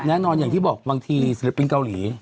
แน่นอนอย่างที่บอกบางทีศิลปินเกาหลี